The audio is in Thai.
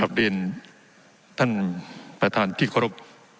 กราบดินท่านประธานพิษภพ